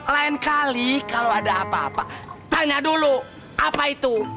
lain kali kalau ada apa apa tanya dulu apa itu